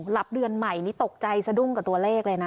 รับเดือนใหม่นี่ตกใจสะดุ้งกับตัวเลขเลยนะ